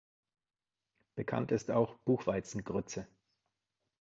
Bekannt ist auch Buchweizen-Grütze.